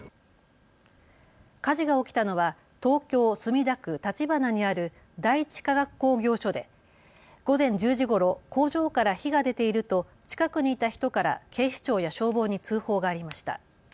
火事が起きたのは東京墨田区立花にある第一化学工業所で、午前１０時ごろ工場から火が出ていると近くにいた人から警視庁や消防に通報がありました。